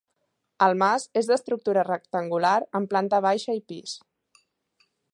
El mas és d'estructura rectangular amb planta baixa i pis.